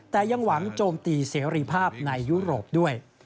แต่ยังหวังโจมตีเสรีภาพในยุโรปด้วย